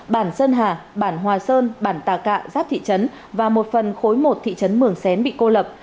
bản sơn hà bản hòa sơn bản tà cạ giáp thị trấn và một phần khối một thị trấn mường xén bị cô lập